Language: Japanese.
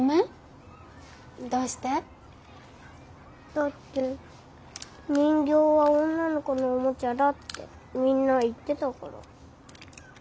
だって人形は女の子のおもちゃだってみんな言ってたから。